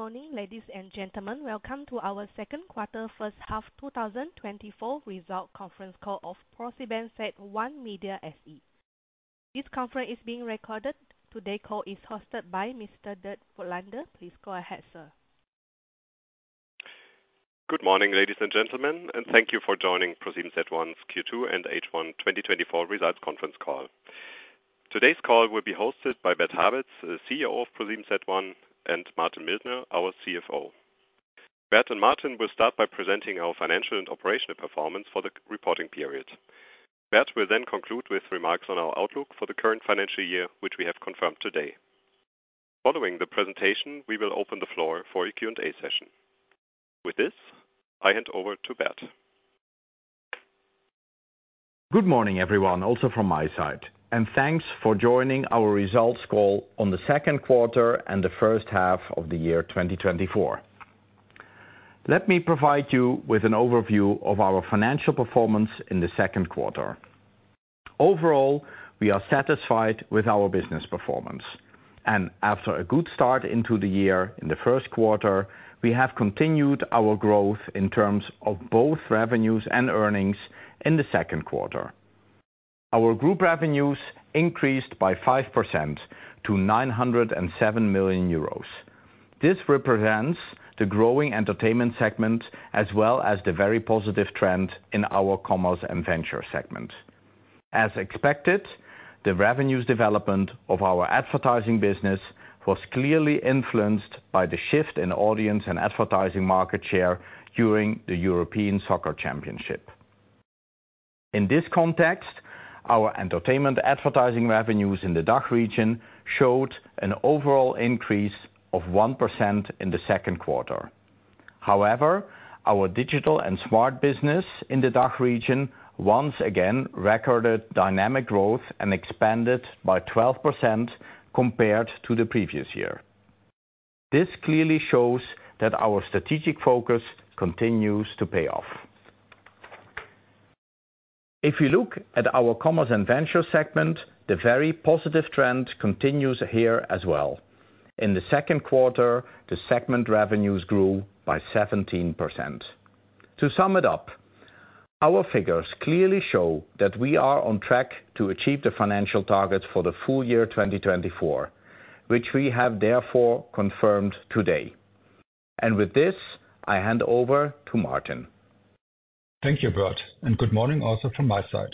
Morning, ladies and gentlemen. Welcome to our second quarter, first half, 2024 result conference call of ProSiebenSat.1 Media SE. This conference is being recorded. Today's call is hosted by Mr. Dirk Voigtländer. Please go ahead, sir. Good morning, ladies and gentlemen, and thank you for joining ProSiebenSat.1's Q2 and H1 2024 results conference call. Today's call will be hosted by Bert Habets, the CEO of ProSiebenSat.1, and Martin Mildner, our CFO. Bert and Martin will start by presenting our financial and operational performance for the reporting period. Bert will then conclude with remarks on our outlook for the current financial year, which we have confirmed today. Following the presentation, we will open the floor for a Q&A session. With this, I hand over to Bert. Good morning, everyone, also from my side, and thanks for joining our results call on the second quarter and the first half of the year 2024. Let me provide you with an overview of our financial performance in the second quarter. Overall, we are satisfied with our business performance, and after a good start into the year in the first quarter, we have continued our growth in terms of both revenues and earnings in the second quarter. Our group revenues increased by 5% to 907 million euros. This represents the growing entertainment segment, as well as the very positive trend in our commerce and venture segment. As expected, the revenues development of our advertising business was clearly influenced by the shift in audience and advertising market share during the European Soccer Championship. In this context, our entertainment advertising revenues in the DACH region showed an overall increase of 1% in the second quarter. However, our digital and smart business in the DACH region once again recorded dynamic growth and expanded by 12% compared to the previous year. This clearly shows that our strategic focus continues to pay off. If you look at our commerce and venture segment, the very positive trend continues here as well. In the second quarter, the segment revenues grew by 17%. To sum it up, our figures clearly show that we are on track to achieve the financial targets for the full year 2024, which we have therefore confirmed today. With this, I hand over to Martin. Thank you, Bert, and good morning also from my side.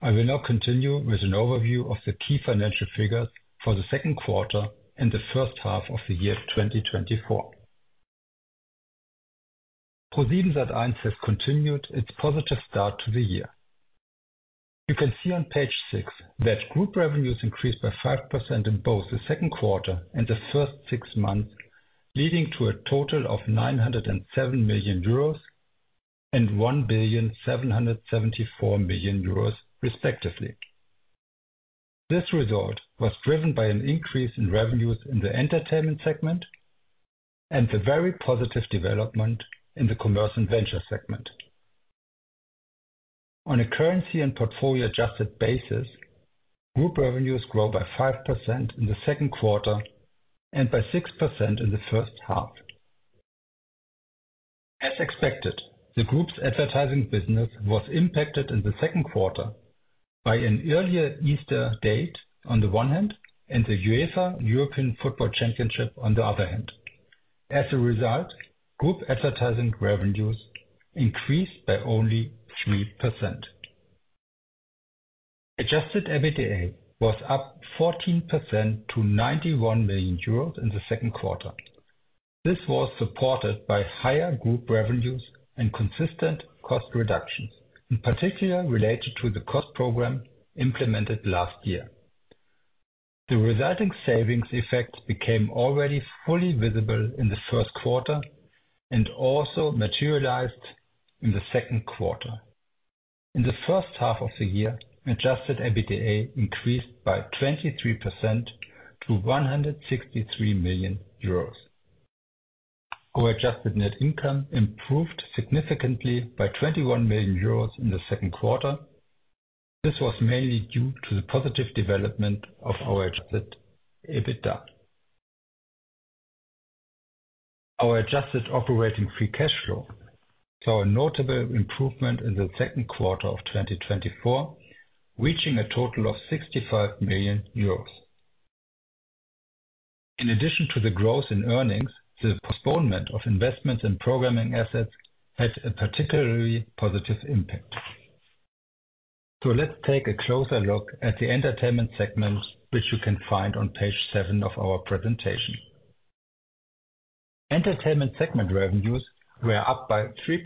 I will now continue with an overview of the key financial figures for the second quarter and the first half of the year 2024. ProSiebenSat.1 has continued its positive start to the year. You can see on page six that group revenues increased by 5% in both the second quarter and the first six months, leading to a total of 907 million euros and 1,774 million euros, respectively. This result was driven by an increase in revenues in the entertainment segment and the very positive development in the commerce and venture segment. On a currency and portfolio-adjusted basis, group revenues grow by 5% in the second quarter and by 6% in the first half. As expected, the group's advertising business was impacted in the second quarter by an earlier Easter date on the one hand, and the UEFA European Football Championship on the other hand. As a result, group advertising revenues increased by only 3%. Adjusted EBITDA was up 14% to 91 million euros in the second quarter. This was supported by higher group revenues and consistent cost reductions, in particular related to the cost program implemented last year. The resulting savings effect became already fully visible in the first quarter and also materialized in the second quarter. In the first half of the year, adjusted EBITDA increased by 23% to 163 million euros. Our adjusted net income improved significantly by 21 million euros in the second quarter. This was mainly due to the positive development of our adjusted EBITDA. Our adjusted operating free cash flow saw a notable improvement in the second quarter of 2024, reaching a total of 65 million euros. In addition to the growth in earnings, the postponement of investments and programming assets had a particularly positive impact. So let's take a closer look at the entertainment segment, which you can find on page seven of our presentation. Entertainment segment revenues were up by 3%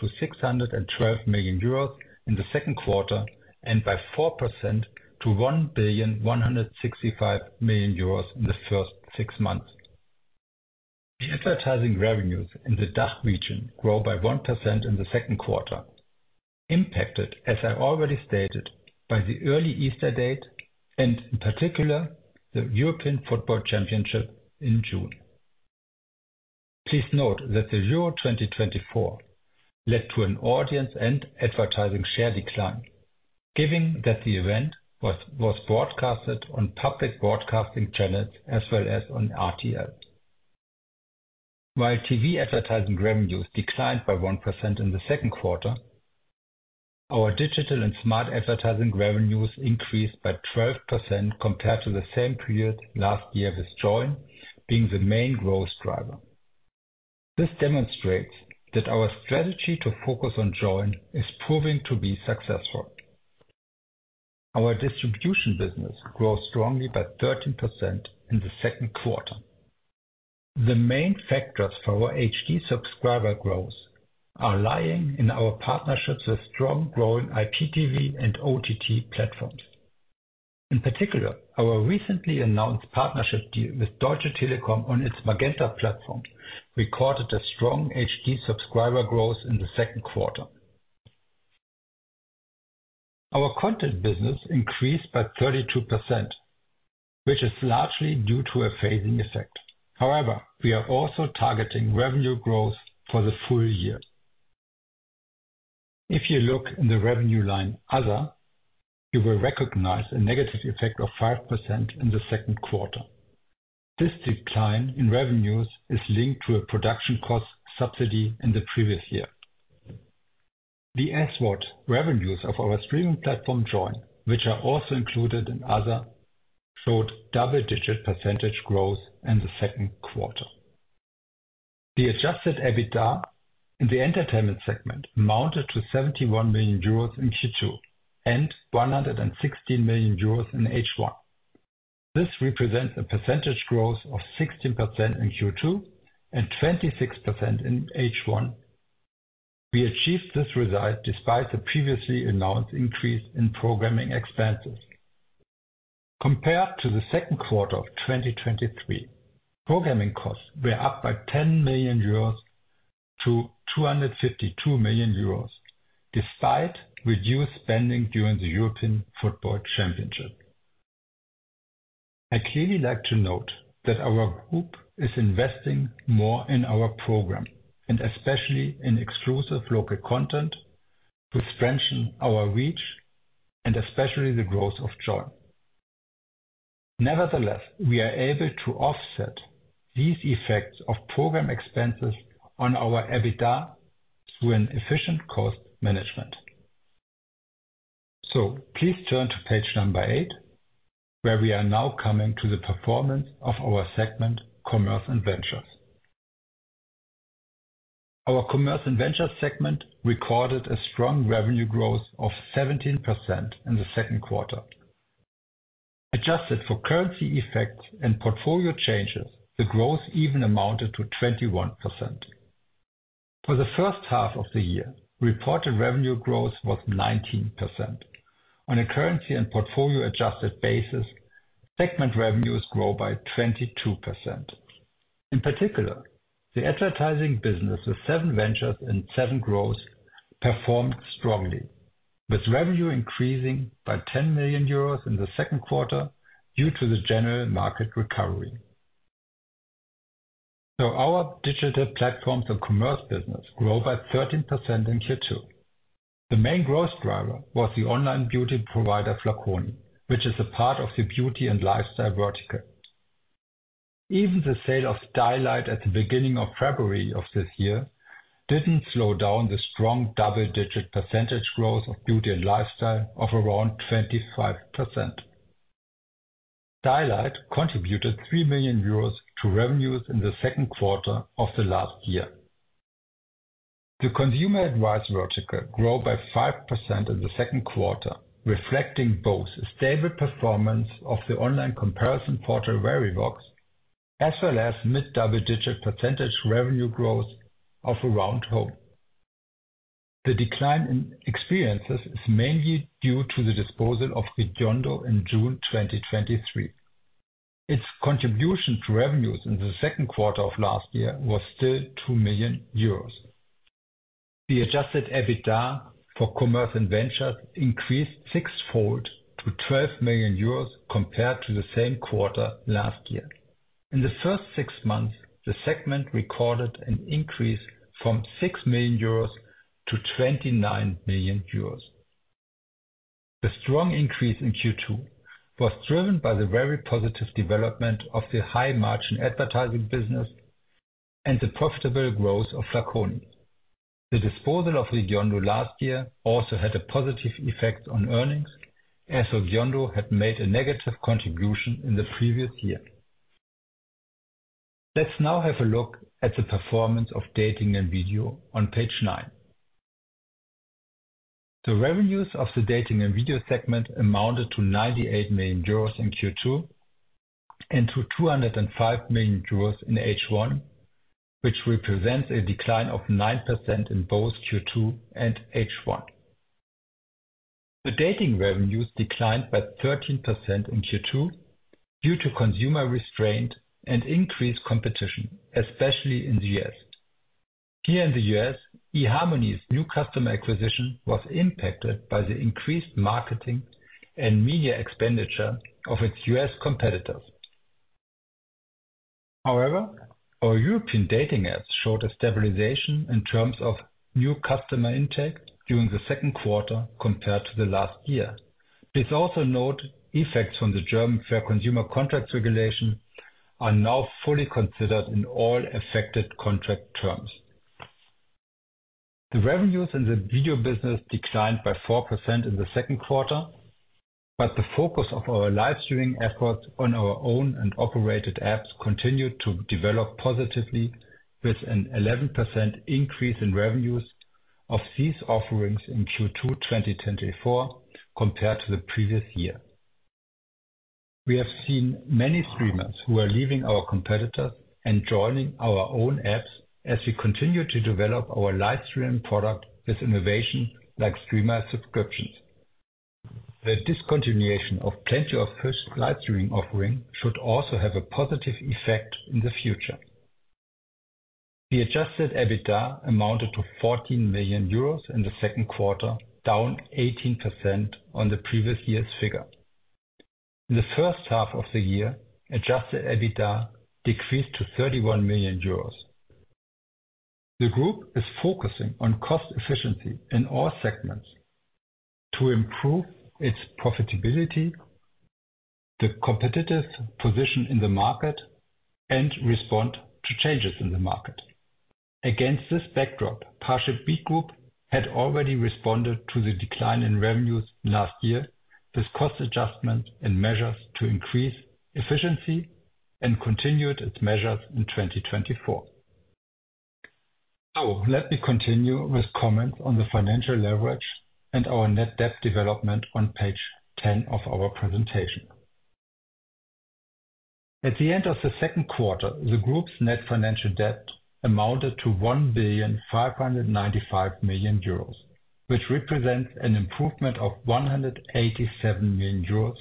to 612 million euros in the second quarter, and by 4% to 1,165 million euros in the first six months. The advertising revenues in the DACH region grow by 1% in the second quarter, impacted, as I already stated, by the early Easter date and in particular, the European Football Championship in June. Please note that the Euro 2024 led to an audience and advertising share decline.... Given that the event was broadcasted on public broadcasting channels as well as on RTL. While TV advertising revenues declined by 1% in the second quarter, our digital and smart advertising revenues increased by 12% compared to the same period last year, with Joyn being the main growth driver. This demonstrates that our strategy to focus on Joyn is proving to be successful. Our distribution business grew strongly by 13% in the second quarter. The main factors for our HD subscriber growth are lying in our partnerships with strong growing IPTV and OTT platforms. In particular, our recently announced partnership deal with Deutsche Telekom on its Magenta platform recorded a strong HD subscriber growth in the second quarter. Our content business increased by 32%, which is largely due to a phasing effect. However, we are also targeting revenue growth for the full year. If you look in the revenue line, other, you will recognize a negative effect of 5% in the second quarter. This decline in revenues is linked to a production cost subsidy in the previous year. The SVOD revenues of our streaming platform, Joyn, which are also included in other, showed double-digit percentage growth in the second quarter. The adjusted EBITDA in the entertainment segment amounted to 71 million euros in Q2, and 116 million euros in H1. This represents a percentage growth of 16% in Q2, and 26% in H1. We achieved this result despite the previously announced increase in programming expenses. Compared to the second quarter of 2023, programming costs were up by 10 million euros to 252 million euros, despite reduced spending during the European Football Championship. I'd clearly like to note that our group is investing more in our program, and especially in exclusive local content, to strengthen our reach, and especially the growth of Joyn. Nevertheless, we are able to offset these effects of program expenses on our EBITDA through an efficient cost management. So please turn to page eight, where we are now coming to the performance of our segment, Commerce and Ventures. Our Commerce and Ventures segment recorded a strong revenue growth of 17% in the second quarter. Adjusted for currency effects and portfolio changes, the growth even amounted to 21%. For the first half of the year, reported revenue growth was 19%. On a currency and portfolio adjusted basis, segment revenues grew by 22%. In particular, the advertising business, SevenVentures sevengrowth, performed strongly, with revenue increasing by 10 million euros in the second quarter due to the general market recovery. So our digital platforms and commerce business grew by 13% in Q2. The main growth driver was the online beauty provider, Flaconi, which is a part of the beauty and lifestyle vertical. Even the sale of Stylight at the beginning of February of this year, didn't slow down the strong double-digit percentage growth of beauty and lifestyle of around 25%. Stylight contributed 3 million euros to revenues in the second quarter of the last year. The consumer advice vertical grew by 5% in the second quarter, reflecting both stable performance of the online comparison portal, Verivox, as well as mid-double-digit percentage revenue growth of Aroundhome. The decline in experiences is mainly due to the disposal of Regiondo in June 2023. Its contribution to revenues in the second quarter of last year was still 2 million euros. The adjusted EBITDA for Commerce and Ventures increased sixfold to 12 million euros, compared to the same quarter last year. In the first six months, the segment recorded an increase from 6 million-29 million euros. The strong increase in Q2 was driven by the very positive development of the high margin advertising business and the profitable growth of Flaconi. The disposal of Regiondo last year also had a positive effect on earnings, as Regiondo had made a negative contribution in the previous year. Let's now have a look at the performance of Dating and Video on page nine. The revenues of the Dating and Video segment amounted to 98 million euros in Q2, and to 205 million euros in H1, which represents a decline of 9% in both Q2 and H1. The dating revenues declined by 13% in Q2 due to consumer restraint and increased competition, especially in the U.S. Here in the U.S., eHarmony's new customer acquisition was impacted by the increased marketing and media expenditure of its U.S. competitors. However, our European dating apps showed a stabilization in terms of new customer intake during the second quarter compared to the last year. Please also note, effects from the German Fair Consumer Contracts regulation are now fully considered in all affected contract terms. The revenues in the video business declined by 4% in the second quarter, but the focus of our live streaming efforts on our own and operated apps continued to develop positively, with an 11% increase in revenues of these offerings in Q2 2024 compared to the previous year. We have seen many streamers who are leaving our competitors and joining our own apps as we continue to develop our live stream product with innovation like streamer subscriptions. The discontinuation of Plenty of Fish live streaming offering should also have a positive effect in the future. The adjusted EBITDA amounted to 14 million euros in the second quarter, down 18% on the previous year's figure. In the first half of the year, adjusted EBITDA decreased to 31 million euros. The group is focusing on cost efficiency in all segments to improve its profitability, the competitive position in the market, and respond to changes in the market. Against this backdrop, ParshipMeet Group had already responded to the decline in revenues last year with cost adjustments and measures to increase efficiency and continued its measures in 2024. So let me continue with comments on the financial leverage and our net debt development on page 10 of our presentation. At the end of the second quarter, the group's net financial debt amounted to 1,595 million euros, which represents an improvement of 187 million euros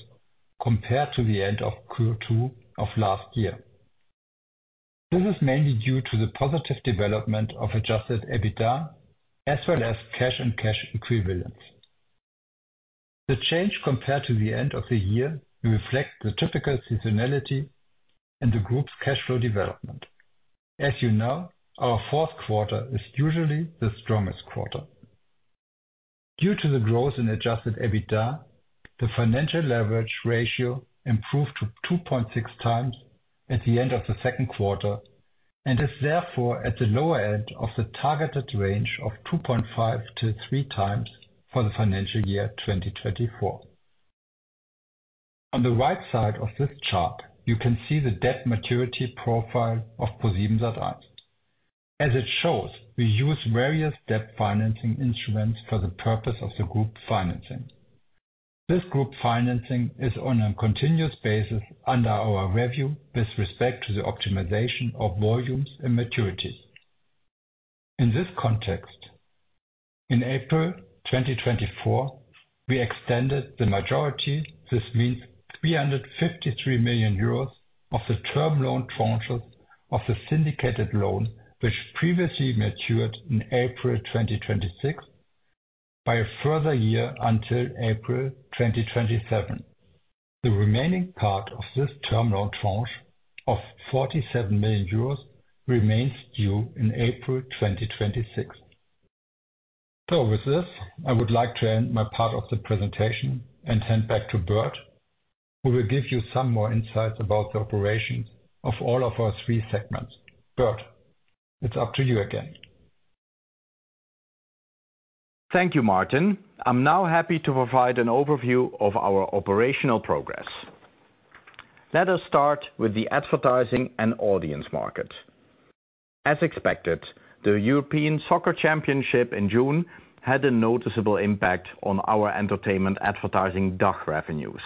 compared to the end of Q2 of last year. This is mainly due to the positive development of adjusted EBITDA, as well as cash and cash equivalents. The change compared to the end of the year reflects the typical seasonality and the group's cash flow development. As you know, our fourth quarter is usually the strongest quarter. Due to the growth in adjusted EBITDA, the financial leverage ratio improved to 2.6x at the end of the second quarter, and is therefore at the lower end of the targeted range of 2.5x to 3x for the financial year 2024. On the right side of this chart, you can see the debt maturity profile of ProSiebenSat.1. As it shows, we use various debt financing instruments for the purpose of the group financing. This group financing is on a continuous basis under our review with respect to the optimization of volumes and maturities. In this context, in April 2024, we extended the majority. This means 353 million euros of the term loan tranches of the syndicated loan, which previously matured in April 2026, by a further year until April 2027. The remaining part of this term loan tranche of 47 million euros remains due in April 2026. So with this, I would like to end my part of the presentation and hand back to Bert, who will give you some more insights about the operations of all of our three segments. Bert, it's up to you again. Thank you, Martin. I'm now happy to provide an overview of our operational progress. Let us start with the advertising and audience market. As expected, the European Soccer Championship in June had a noticeable impact on our entertainment advertising DACH revenues.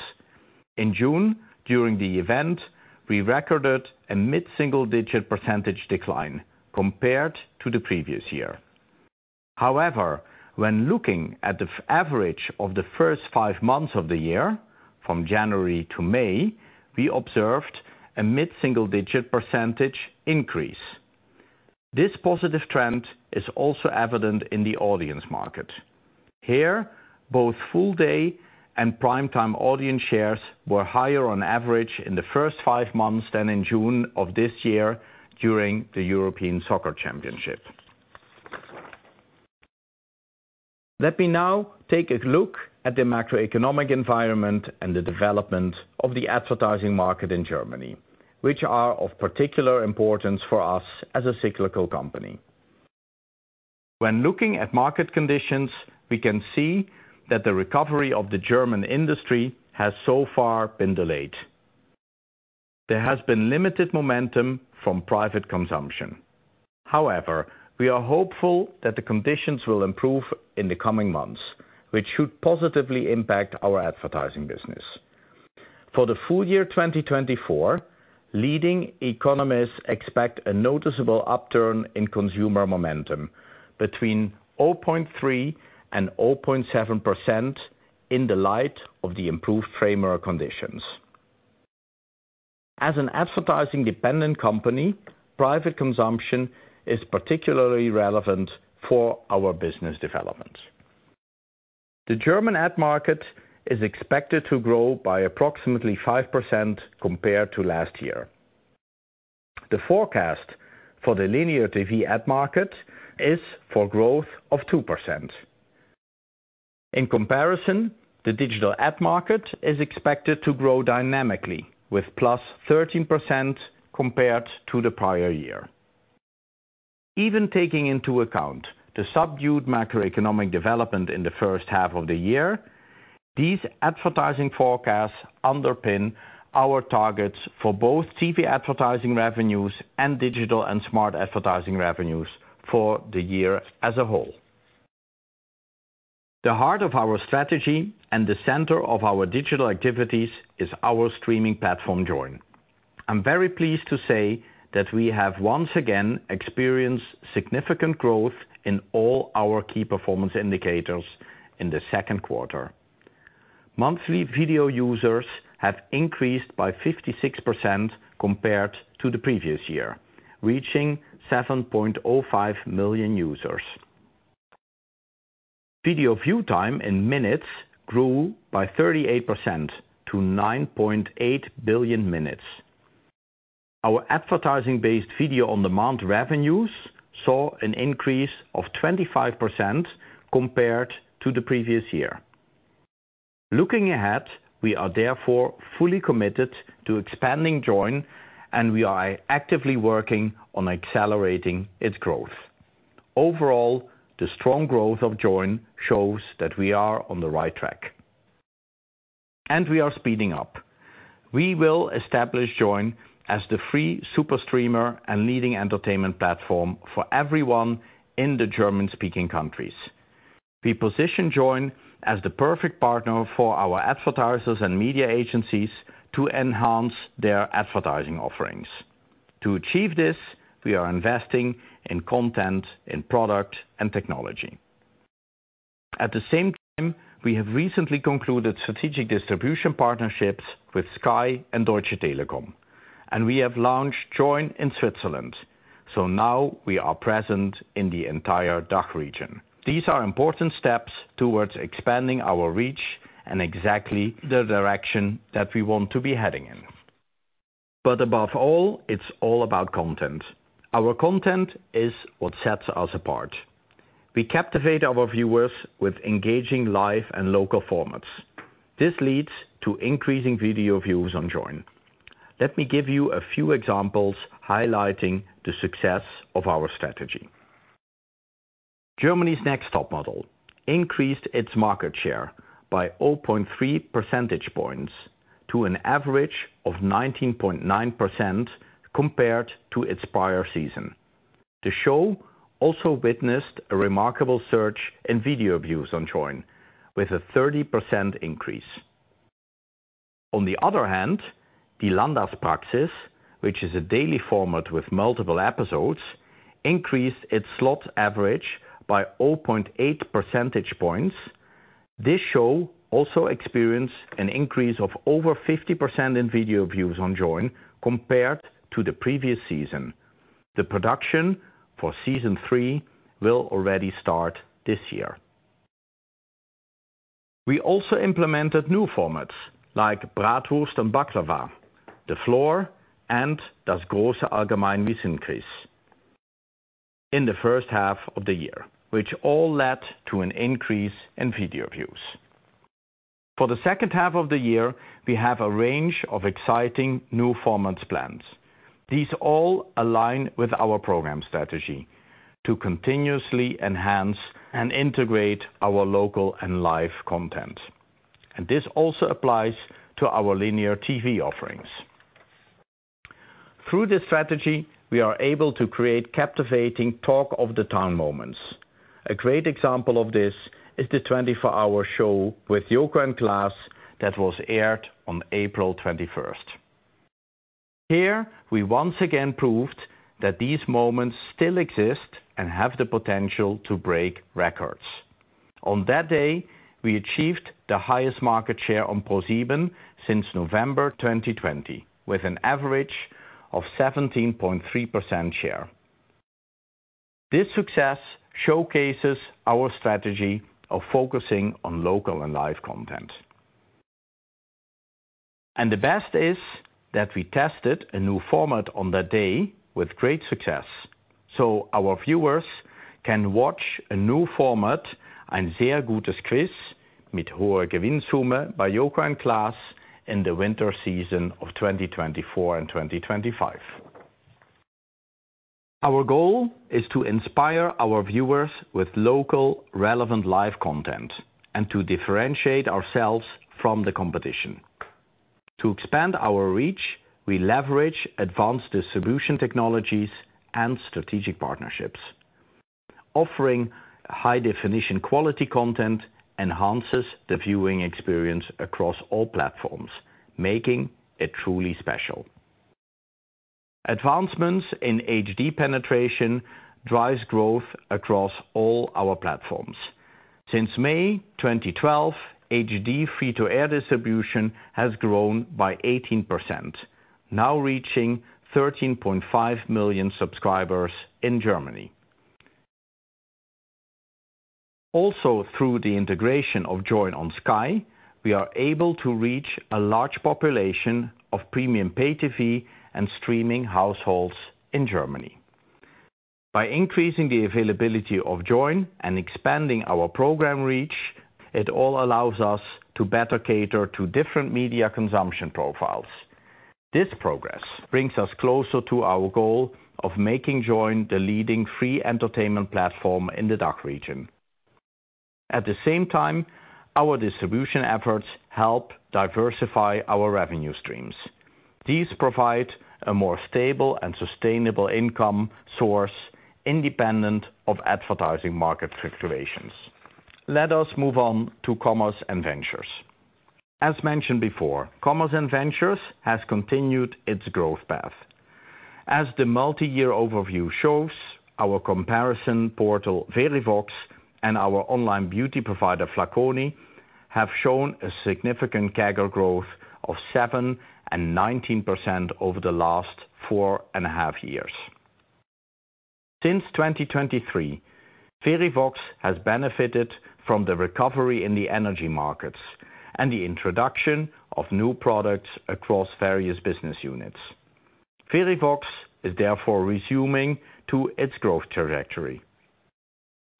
In June, during the event, we recorded a mid-single-digit percentage decline compared to the previous year. However, when looking at the average of the first five months of the year, from January to May, we observed a mid-single-digit percentage increase. This positive trend is also evident in the audience market. Here, both full day and prime time audience shares were higher on average in the first five months than in June of this year during the European Soccer Championship. Let me now take a look at the macroeconomic environment and the development of the advertising market in Germany, which are of particular importance for us as a cyclical company. When looking at market conditions, we can see that the recovery of the German industry has so far been delayed. There has been limited momentum from private consumption. However, we are hopeful that the conditions will improve in the coming months, which should positively impact our advertising business. For the full year 2024, leading economists expect a noticeable upturn in consumer momentum between 0.3% and 0.7% in the light of the improved framework conditions. As an advertising-dependent company, private consumption is particularly relevant for our business development. The German ad market is expected to grow by approximately 5% compared to last year. The forecast for the linear TV ad market is for growth of 2%. In comparison, the digital ad market is expected to grow dynamically, with +13% compared to the prior year. Even taking into account the subdued macroeconomic development in the first half of the year, these advertising forecasts underpin our targets for both TV advertising revenues and digital and smart advertising revenues for the year as a whole. The heart of our strategy and the center of our digital activities is our streaming platform, Joyn. I'm very pleased to say that we have once again experienced significant growth in all our key performance indicators in the second quarter. Monthly video users have increased by 56% compared to the previous year, reaching 7.05 million users. Video view time in minutes grew by 38% to 9.8 billion minutes. Our advertising-based video on demand revenues saw an increase of 25% compared to the previous year. Looking ahead, we are therefore fully committed to expanding Joyn, and we are actively working on accelerating its growth. Overall, the strong growth of Joyn shows that we are on the right track, and we are speeding up. We will establish Joyn as the free super streamer and leading entertainment platform for everyone in the German-speaking countries. We position Joyn as the perfect partner for our advertisers and media agencies to enhance their advertising offerings. To achieve this, we are investing in content, in product, and technology. At the same time, we have recently concluded strategic distribution partnerships with Sky and Deutsche Telekom, and we have launched Joyn in Switzerland, so now we are present in the entire DACH region. These are important steps towards expanding our reach and exactly the direction that we want to be heading in. But above all, it's all about content. Our content is what sets us apart. We captivate our viewers with engaging, live, and local formats. This leads to increasing video views on Joyn. Let me give you a few examples highlighting the success of our strategy. Germany’s Next Topmodel increased its market share by 0.3 percentage points to an average of 19.9% compared to its prior season. The show also witnessed a remarkable surge in video views on Joyn, with a 30% increase. On the other hand, Die Landarztpraxis, which is a daily format with multiple episodes, increased its slot average by 0.8 percentage points. This show also experienced an increase of over 50% in video views on Joyn compared to the previous season. The production for season three will already start this year. We also implemented new formats like Bratwurst and Baklava, The Floor, and Das große Allgemeinwissensquiz in the first half of the year, which all led to an increase in video views. For the second half of the year, we have a range of exciting new formats plans. These all align with our program strategy: to continuously enhance and integrate our local and live content, and this also applies to our linear TV offerings. Through this strategy, we are able to create captivating talk-of-the-town moments. A great example of this is the 24-hour show with Joko and Klaas that was aired on April 21st. Here, we once again proved that these moments still exist and have the potential to break records. On that day, we achieved the highest market share on ProSieben since November 2020, with an average of 17.3% share. This success showcases our strategy of focusing on local and live content. The best is that we tested a new format on that day with great success, so our viewers can watch a new format, Ein sehr gutes Quiz mit hoher Gewinnsumme by Joko and Klaas, in the winter season of 2024 and 2025. Our goal is to inspire our viewers with local, relevant live content and to differentiate ourselves from the competition. To expand our reach, we leverage advanced distribution technologies and strategic partnerships. Offering high-definition quality content enhances the viewing experience across all platforms, making it truly special. Advancements in HD penetration drives growth across all our platforms. Since May 2012, HD free-to-air distribution has grown by 18%. Now reaching 13.5 million subscribers in Germany. Also, through the integration of Joyn on Sky, we are able to reach a large population of premium pay TV and streaming households in Germany. By increasing the availability of Joyn and expanding our program reach, it all allows us to better cater to different media consumption profiles. This progress brings us closer to our goal of making Joyn the leading free entertainment platform in the DACH region. At the same time, our distribution efforts help diversify our revenue streams. These provide a more stable and sustainable income source, independent of advertising market fluctuations. Let us move on to Commerce and Ventures. As mentioned before, Commerce and Ventures has continued its growth path. As the multi-year overview shows, our comparison portal, Verivox, and our online beauty provider, Flaconi, have shown a significant CAGR growth of 7% and 19% over the last four and a half years. Since 2023, Verivox has benefited from the recovery in the energy markets and the introduction of new products across various business units. Verivox is therefore resuming to its growth trajectory.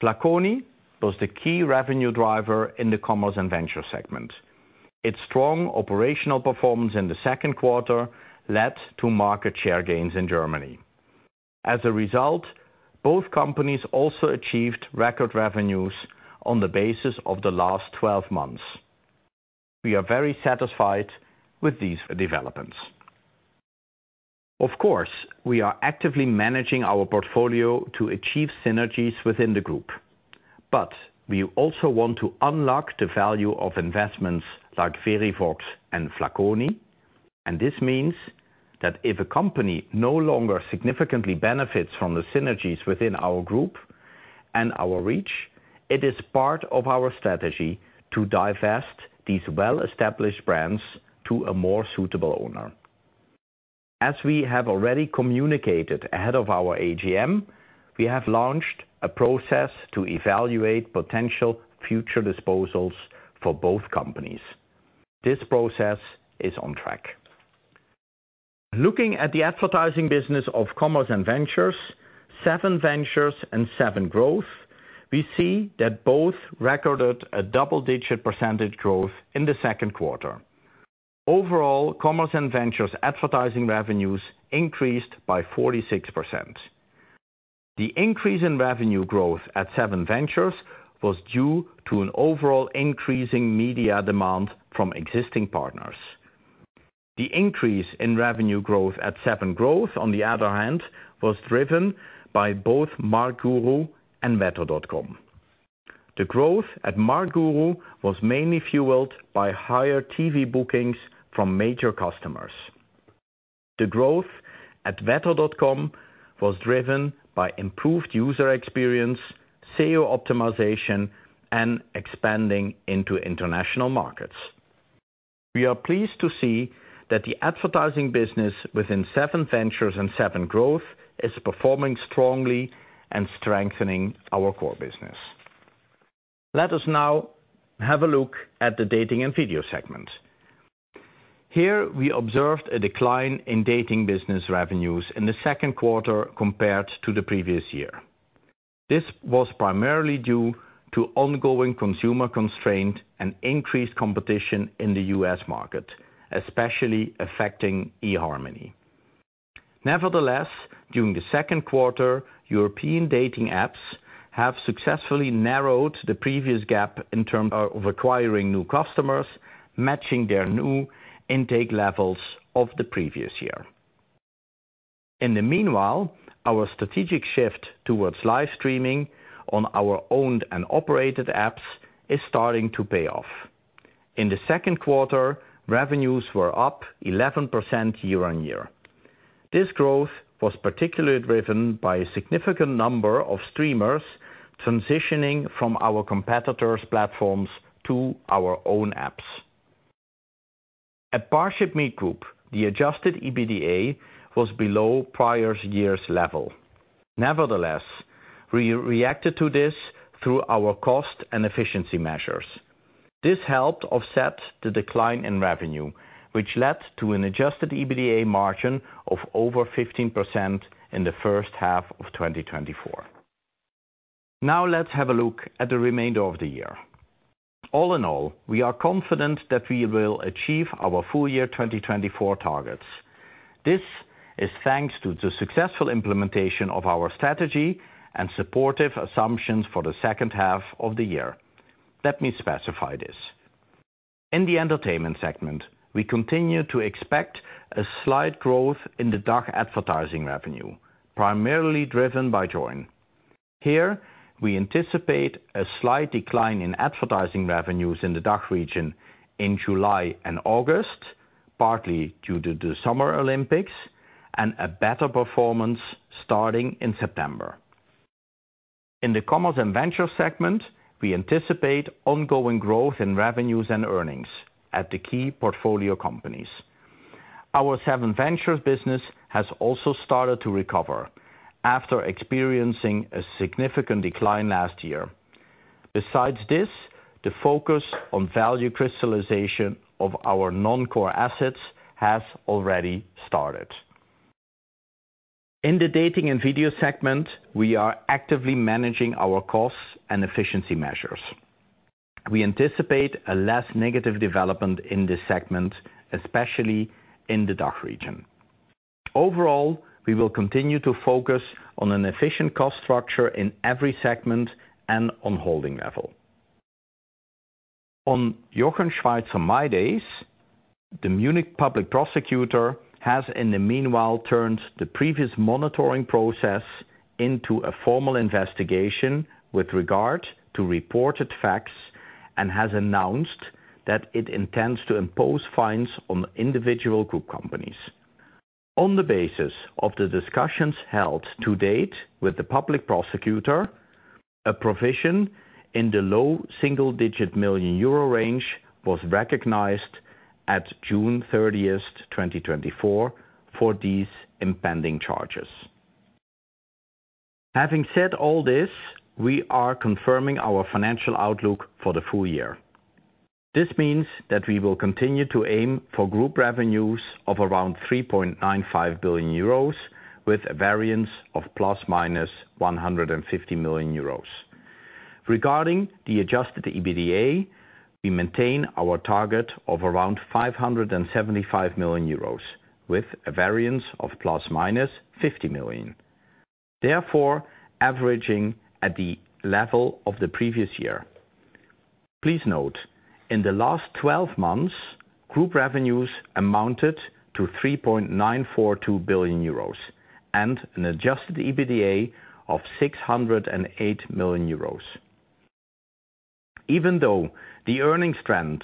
Flaconi was the key revenue driver in the Commerce and Venture segment. Its strong operational performance in the second quarter led to market share gains in Germany. As a result, both companies also achieved record revenues on the basis of the last twelve months. We are very satisfied with these developments. Of course, we are actively managing our portfolio to achieve synergies within the group, but we also want to unlock the value of investments like Verivox and Flaconi, and this means that if a company no longer significantly benefits from the synergies within our group and our reach, it is part of our strategy to divest these well-established brands to a more suitable owner. As we have already communicated ahead of our AGM, we have launched a process to evaluate potential future disposals for both companies. This process is on track. Looking at the advertising business of Commerce and Ventures, SevenVentures and SevenGrowth, we see that both recorded a double-digit percentage growth in the second quarter. Overall, Commerce and Ventures advertising revenues increased by 46%. The increase in revenue growth at SevenVentures was due to an overall increasing media demand from existing partners. The increase in revenue growth SevenGrowth, on the other hand, was driven by both Marktguru and wetter.com. The growth at Marktguru was mainly fueled by higher TV bookings from major customers. The growth at wetter.com was driven by improved user experience, SEO optimization, and expanding into international markets. We are pleased to see that the advertising business SevenVentures sevengrowth is performing strongly and strengthening our core business. Let us now have a look at the Dating and Video segment. Here, we observed a decline in dating business revenues in the second quarter compared to the previous year. This was primarily due to ongoing consumer constraint and increased competition in the U.S. market, especially affecting eHarmony. Nevertheless, during the second quarter, European dating apps have successfully narrowed the previous gap in terms of acquiring new customers, matching their new intake levels of the previous year. In the meanwhile, our strategic shift towards live streaming on our owned and operated apps is starting to pay off. In the second quarter, revenues were up 11% year-on-year. This growth was particularly driven by a significant number of streamers transitioning from our competitors' platforms to our own apps. At ParshipMeet Group, the adjusted EBITDA was below prior year's level. Nevertheless, we reacted to this through our cost and efficiency measures. This helped offset the decline in revenue, which led to an adjusted EBITDA margin of over 15% in the first half of 2024. Now, let's have a look at the remainder of the year. All in all, we are confident that we will achieve our full year 2024 targets. This is thanks to the successful implementation of our strategy and supportive assumptions for the second half of the year. Let me specify this. In the entertainment segment, we continue to expect a slight growth in the DACH advertising revenue, primarily driven by Joyn. Here, we anticipate a slight decline in advertising revenues in the DACH region in July and August, partly due to the Summer Olympics, and a better performance starting in September. In the Commerce and Venture segment, we anticipate ongoing growth in revenues and earnings at the key portfolio companies. SevenVentures business has also started to recover after experiencing a significant decline last year. Besides this, the focus on value crystallization of our non-core assets has already started. In the Dating and Video segment, we are actively managing our costs and efficiency measures. We anticipate a less negative development in this segment, especially in the DACH region. Overall, we will continue to focus on an efficient cost structure in every segment and on holding level. On Jochen Schweizer mydays, the Munich Public Prosecutor has, in the meanwhile, turned the previous monitoring process into a formal investigation with regard to reported facts, and has announced that it intends to impose fines on individual group companies. On the basis of the discussions held to date with the Public Prosecutor, a provision in the low single-digit million euro range was recognized at June 30th, 2024, for these impending charges. Having said all this, we are confirming our financial outlook for the full year. This means that we will continue to aim for group revenues of around 3.95 billion euros, with a variance of ±150 million euros. Regarding the adjusted EBITDA, we maintain our target of around 575 million euros, with a variance of ±50 million, therefore averaging at the level of the previous year. Please note, in the last 12 months, group revenues amounted to 3.942 billion euros, and an adjusted EBITDA of 608 million euros. Even though the earnings trend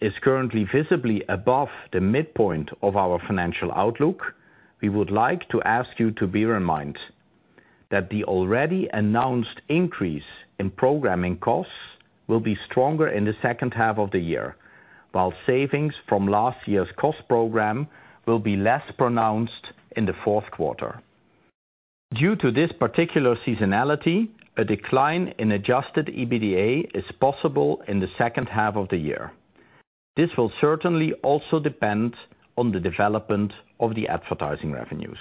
is currently visibly above the midpoint of our financial outlook, we would like to ask you to bear in mind that the already announced increase in programming costs will be stronger in the second half of the year, while savings from last year's cost program will be less pronounced in the fourth quarter. Due to this particular seasonality, a decline in adjusted EBITDA is possible in the second half of the year. This will certainly also depend on the development of the advertising revenues.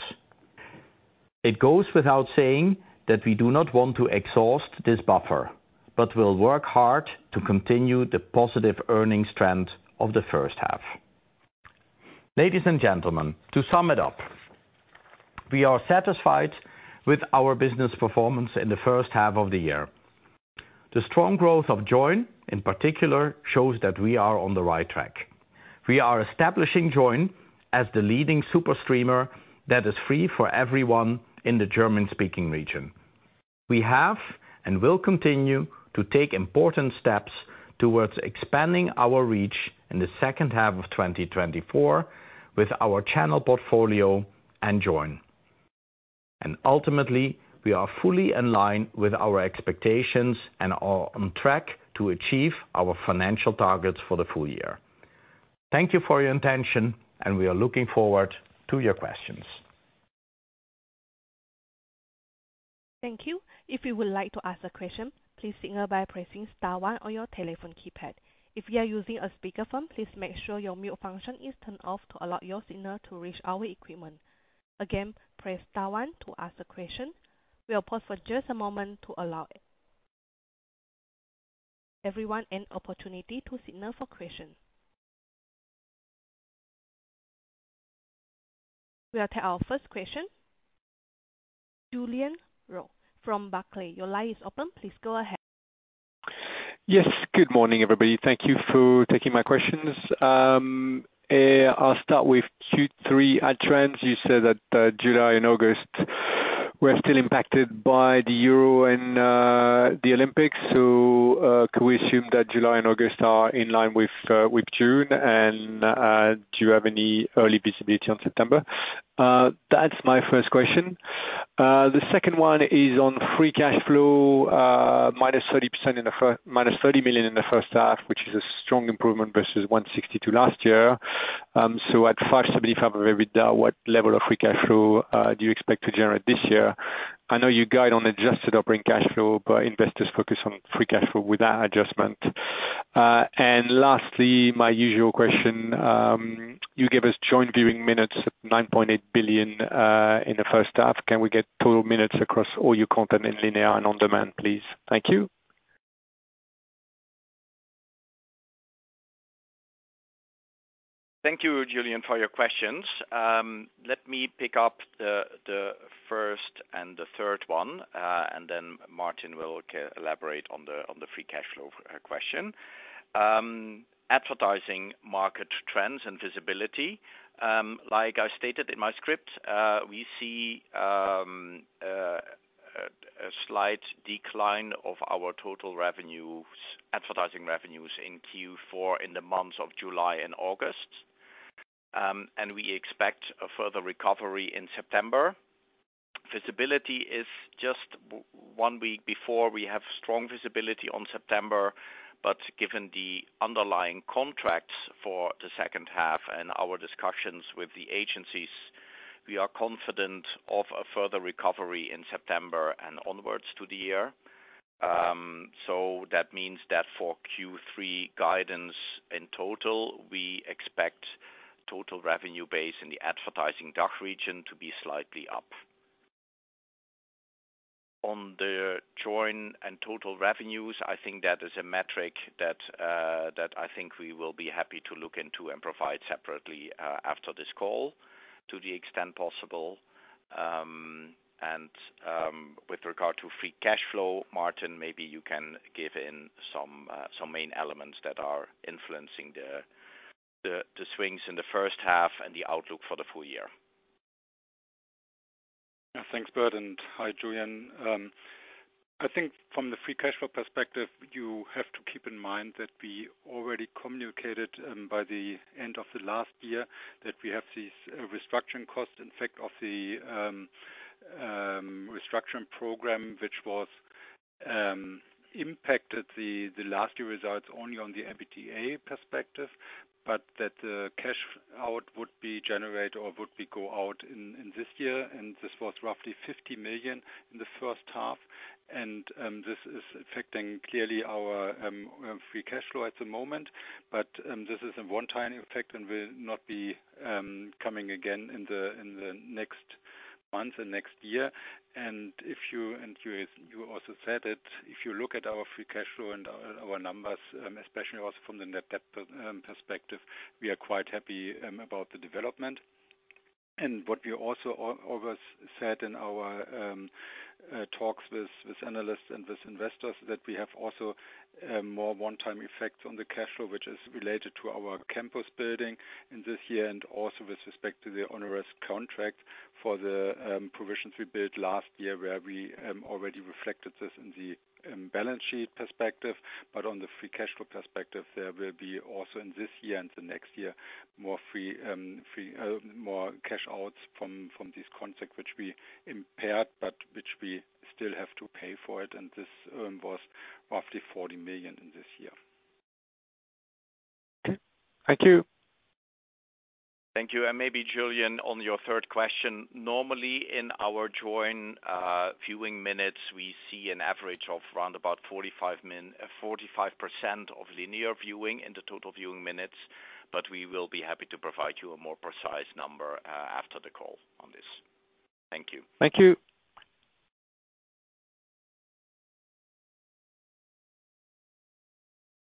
It goes without saying that we do not want to exhaust this buffer, but will work hard to continue the positive earnings trend of the first half. Ladies and gentlemen, to sum it up, we are satisfied with our business performance in the first half of the year. The strong growth of Joyn, in particular, shows that we are on the right track. We are establishing Joyn as the leading super streamer that is free for everyone in the German-speaking region. We have and will continue to take important steps towards expanding our reach in the second half of 2024 with our channel portfolio and Joyn. Ultimately, we are fully in line with our expectations and are on track to achieve our financial targets for the full year. Thank you for your attention, and we are looking forward to your questions. Thank you. If you would like to ask a question, please signal by pressing star one on your telephone keypad. If you are using a speakerphone, please make sure your mute function is turned off to allow your signal to reach our equipment. Again, press star one to ask a question. We'll pause for just a moment to allow everyone an opportunity to signal for question. We'll take our first question. Julien Roch from Barclays, your line is open. Please go ahead. Yes, good morning, everybody. Thank you for taking my questions. I'll start with Q3 ad trends. You said that July and August were still impacted by the Euro and the Olympics. So, can we assume that July and August are in line with June? And do you have any early visibility on September? That's my first question. The second one is on free cash flow, -30% in the first half, -30 million in the first half, which is a strong improvement versus 162 million last year. So, at 575 million EBITDA, what level of free cash flow do you expect to generate this year? I know you guide on adjusted operating cash flow, but investors focus on free cash flow without adjustment. And lastly, my usual question, you gave us Joyn viewing minutes, 9.8 billion, in the first half. Can we get total minutes across all your content in linear and on-demand, please? Thank you. Thank you, Julian, for your questions. Let me pick up the first and the third one, and then Martin will elaborate on the free cash flow question. Advertising market trends and visibility, like I stated in my script, we see a slight decline of our total revenues, advertising revenues in Q4 in the months of July and August. And we expect a further recovery in September. Visibility is just one week before. We have strong visibility on September, but given the underlying contracts for the second half and our discussions with the agencies, we are confident of a further recovery in September and onwards to the year. So that means that for Q3 guidance in total, we expect total revenue base in the advertising DACH region to be slightly up. On the Joyn and total revenues, I think that is a metric that that I think we will be happy to look into and provide separately, after this call, to the extent possible. And, with regard to free cash flow, Martin, maybe you can give in some some main elements that are influencing the swings in the first half and the outlook for the full year. Thanks, Bert, and hi, Julien. I think from the free cash flow perspective, you have to keep in mind that we already communicated, by the end of the last year, that we have these, restructuring costs, in fact, of the, restructuring program, which was, impacted the last year results only on the EBITDA perspective. But that, cash out would be generated or would be go out in, in this year, and this was roughly 50 million in the first half. And, this is affecting clearly our, free cash flow at the moment. But, this is a one-time effect and will not be, coming again in the, in the next months and next year. And if you also said it, if you look at our free cash flow and our numbers, especially also from the net debt perspective, we are quite happy about the development. And what we also always said in our talks with analysts and with investors, that we have also more one-time effects on the cash flow, which is related to our campus building in this year, and also with respect to the honoraries contract for the provisions we built last year, where we already reflected this in the balance sheet perspective. But on the free cash flow perspective, there will be also in this year and the next year, more free cash outs from this contract, which we impaired, but which we still have to pay for it, and this was roughly 40 million in this year. Thank you. Thank you, and maybe Julien, on your third question. Normally, in our Joyn viewing minutes, we see an average of around about 45% of linear viewing in the total viewing minutes, but we will be happy to provide you a more precise number after the call on this. Thank you. Thank you.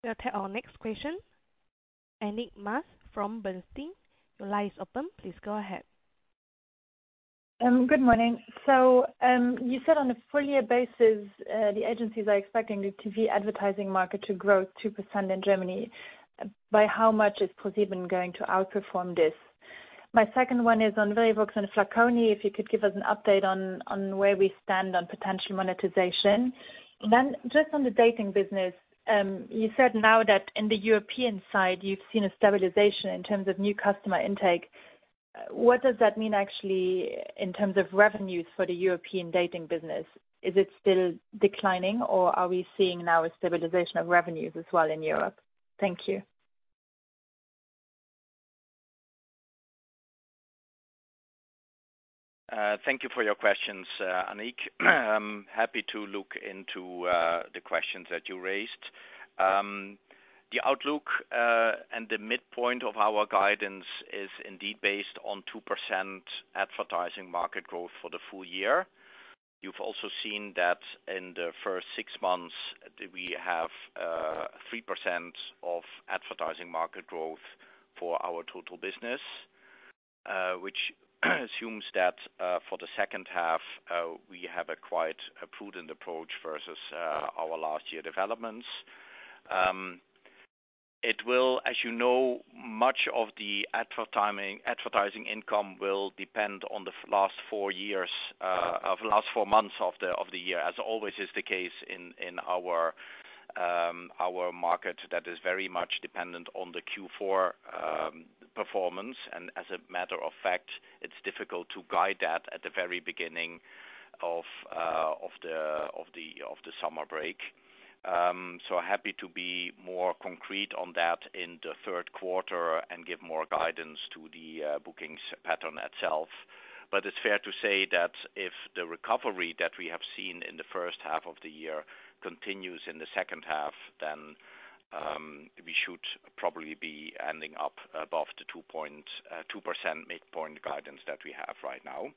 We'll take our next question. Annick Maas from Bernstein. Your line is open, please go ahead. Good morning. So, you said on a full year basis, the agencies are expecting the TV advertising market to grow 2% in Germany. By how much is ProSieben going to outperform this? My second one is on Verivox and Flaconi, if you could give us an update on, on where we stand on potential monetization. Then just on the dating business, you said now that in the European side, you've seen a stabilization in terms of new customer intake. What does that mean, actually, in terms of revenues for the European dating business? Is it still declining, or are we seeing now a stabilization of revenues as well in Europe? Thank you. Thank you for your questions, Annick. I'm happy to look into the questions that you raised. The outlook and the midpoint of our guidance is indeed based on 2% advertising market growth for the full year. You've also seen that in the first six months, we have 3% of advertising market growth for our total business, which assumes that for the second half we have quite a prudent approach versus our last year developments. It will, as you know, much of the advertising income will depend on the last four months of the year, as always is the case in our market that is very much dependent on the Q4 performance. As a matter of fact, it's difficult to guide that at the very beginning of the summer break. So happy to be more concrete on that in the third quarter and give more guidance to the bookings pattern itself. But it's fair to say that if the recovery that we have seen in the first half of the year continues in the second half, then we should probably be ending up above the 2.2% mid-point guidance that we have right now.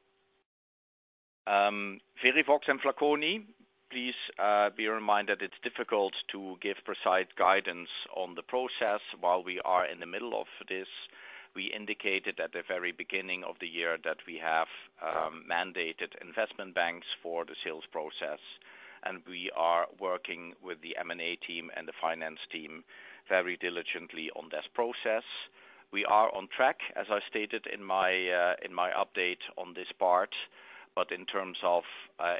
Verivox and Flaconi, please, bear in mind that it's difficult to give precise guidance on the process while we are in the middle of this. We indicated at the very beginning of the year that we have mandated investment banks for the sales process, and we are working with the M&A team and the finance team very diligently on this process. We are on track, as I stated in my update on this part, but in terms of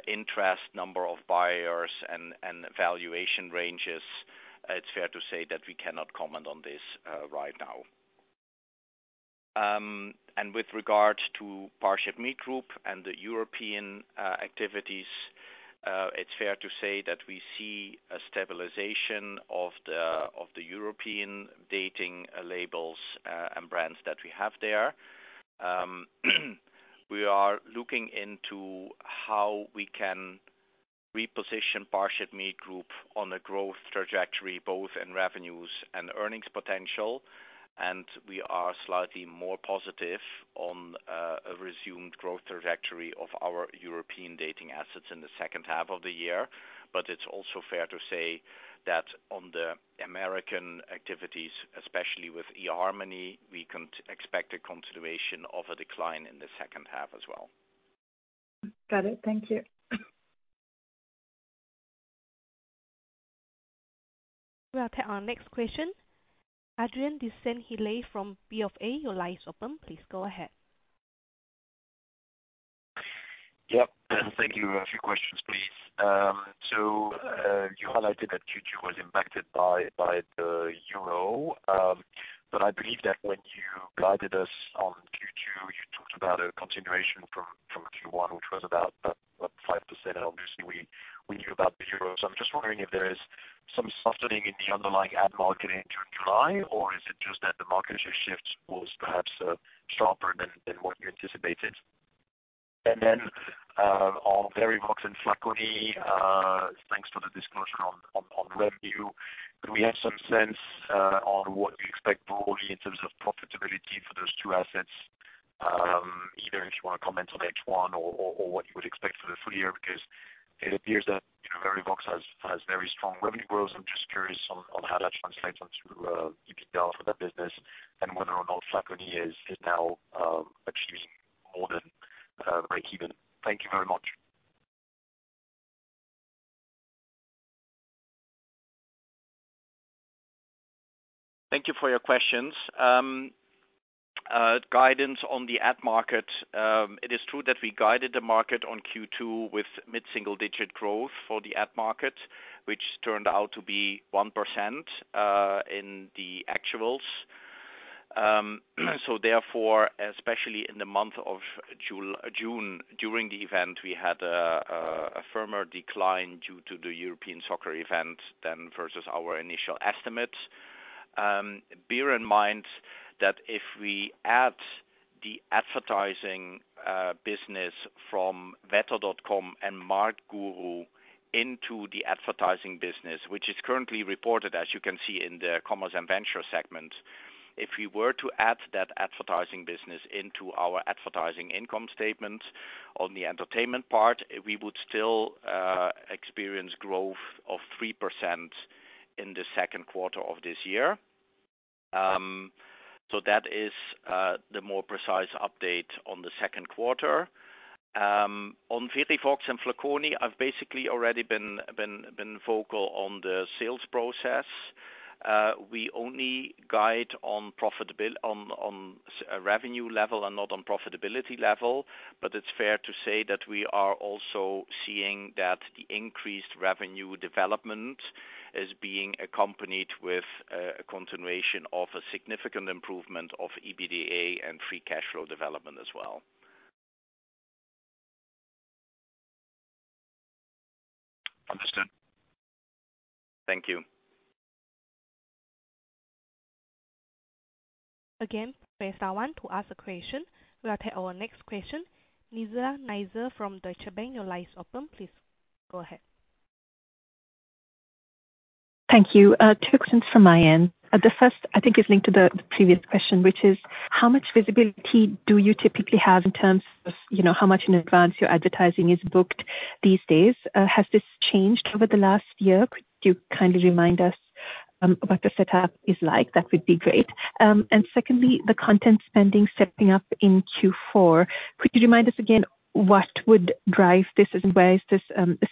interest, number of buyers, and valuation ranges. It's fair to say that we cannot comment on this right now. And with regards to ParshipMeet Group and the European activities, it's fair to say that we see a stabilization of the European dating labels and brands that we have there. We are looking into how we can reposition ParshipMeet Group on a growth trajectory, both in revenues and earnings potential, and we are slightly more positive on a resumed growth trajectory of our European dating assets in the second half of the year. But it's also fair to say that on the American activities, especially with eHarmony, we can expect a continuation of a decline in the second half as well. Got it. Thank you. We'll take our next question. Adrien de Saint Hilaire from BofA, your line is open. Please go ahead. Yep, thank you. A few questions, please. So, you highlighted that Q2 was impacted by the euro, but I believe that when you guided us on Q2, you talked about a continuation from Q1, which was about 5%, and obviously we knew about the euro. So I'm just wondering if there is some softening in the underlying ad market into July, or is it just that the market share shift was perhaps sharper than what you anticipated? And then, on Verivox and Flaconi, thanks for the disclosure on revenue. Do we have some sense on what you expect broadly in terms of profitability for those two assets? Either if you wanna comment on H1 or what you would expect for the full year, because it appears that, you know, Verivox has very strong revenue growth. I'm just curious on how that translates onto EBITDA for that business and whether or not Flaconi is now achieving more than breakeven. Thank you very much. Thank you for your questions. Guidance on the ad market. It is true that we guided the market on Q2 with mid-single-digit growth for the ad market, which turned out to be 1% in the actuals. So therefore, especially in the month of June, during the event, we had a firmer decline due to the European soccer event than versus our initial estimates. Bear in mind that if we add the advertising business from wetter.com and Marktguru into the advertising business, which is currently reported, as you can see, in the commerce and venture segment. If we were to add that advertising business into our advertising income statement on the entertainment part, we would still experience growth of 3% in the second quarter of this year. So that is the more precise update on the second quarter. On Verivox and Flaconi, I've basically already been vocal on the sales process. We only guide on a revenue level and not on profitability level, but it's fair to say that we are also seeing that the increased revenue development is being accompanied with a continuation of a significant improvement of EBITDA and free cash flow development as well. Understood. Thank you. Again, press star one to ask a question. We'll take our next question. Lisa Yang from Deutsche Bank, your line is open. Please, go ahead. Thank you. Two questions from my end. The first, I think, is linked to the previous question, which is: How much visibility do you typically have in terms of, you know, how much in advance your advertising is booked these days? Has this changed over the last year? Could you kind of remind us what the setup is like? That would be great. And secondly, the content spending stepping up in Q4. Could you remind us again what would drive this, and where is this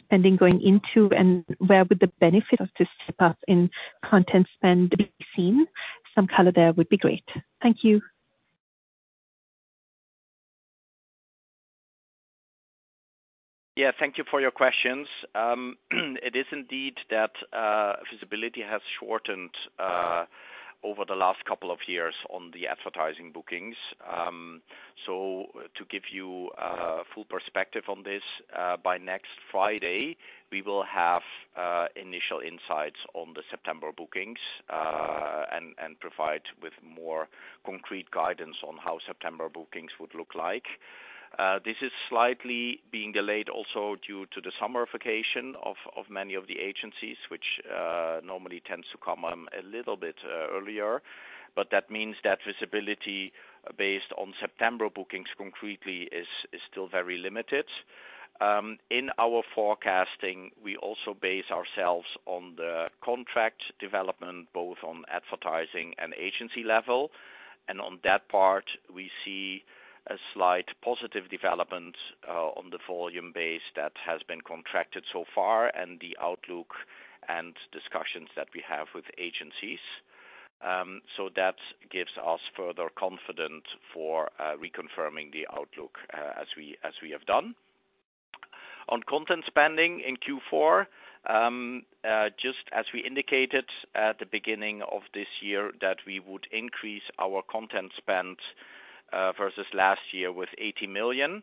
spending going into, and where would the benefit of this step-up in content spend be seen? Some color there would be great. Thank you. Yeah, thank you for your questions. It is indeed that visibility has shortened over the last couple of years on the advertising bookings. So to give you full perspective on this, by next Friday, we will have initial insights on the September bookings, and provide with more concrete guidance on how September bookings would look like. This is slightly being delayed also due to the summer vacation of many of the agencies, which normally tends to come a little bit earlier. But that means that visibility based on September bookings concretely is still very limited. In our forecasting, we also base ourselves on the contract development, both on advertising and agency level. On that part, we see a slight positive development on the volume base that has been contracted so far and the outlook and discussions that we have with agencies. So that gives us further confidence for reconfirming the outlook, as we have done. On content spending in Q4, just as we indicated at the beginning of this year, that we would increase our content spend versus last year with 80 million.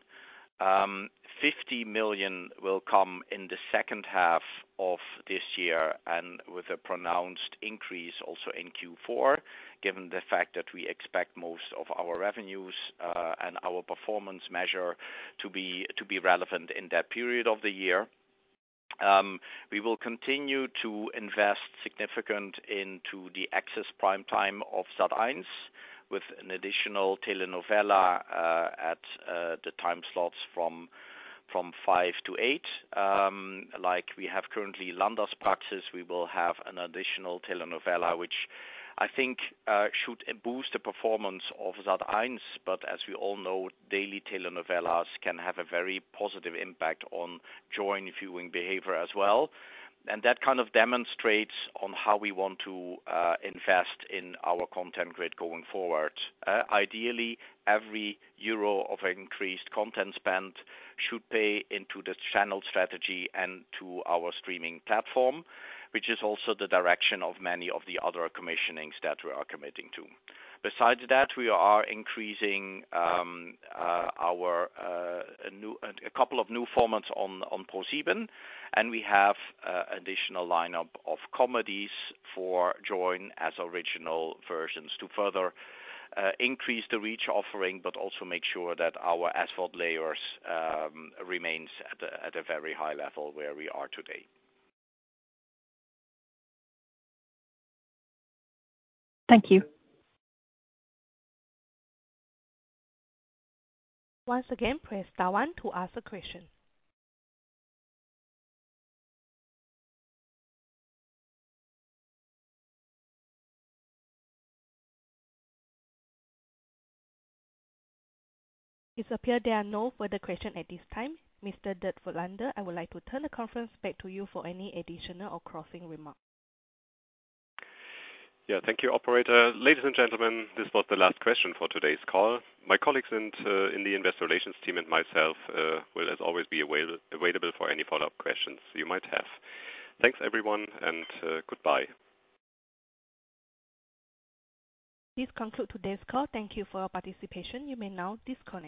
50 million will come in the second half of this year, and with a pronounced increase also in Q4, given the fact that we expect most of our revenues and our performance measure to be relevant in that period of the year. We will continue to invest significant into the access prime time of Sat.1, with an additional telenovela, at the time slots from 5 to 8. Like we have currently Landarztpraxis, we will have an additional telenovela, which I think should boost the performance of Sat.1. But as we all know, daily telenovelas can have a very positive impact on joint viewing behavior as well. And that kind of demonstrates on how we want to invest in our content grid going forward. Ideally, every euro of increased content spend should pay into the channel strategy and to our streaming platform, which is also the direction of many of the other commissionings that we are committing to. Besides that, we are increasing a couple of new formats on ProSieben, and we have additional lineup of comedies for Joyn as original versions to further increase the reach offering, but also make sure that our asphalt layers remains at a very high level where we are today. Thank you. Once again, press star one to ask a question. It appears there are no further questions at this time. Mr. Dirk Voigtländer, I would like to turn the conference back to you for any additional or closing remarks. Yeah, thank you, operator. Ladies and gentlemen, this was the last question for today's call. My colleagues and, in the investor relations team, and myself will, as always, be available for any follow-up questions you might have. Thanks, everyone, and goodbye. This concludes today's call. Thank you for your participation. You may now disconnect.